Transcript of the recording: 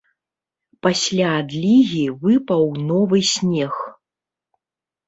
Пасля адлігі выпаў новы снег.